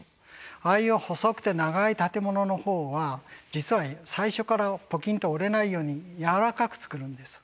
ああいう細くて長い建物の方は実は最初からポキンと折れないようにやわらかく造るんです。